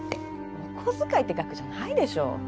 お小遣いって額じゃないでしょ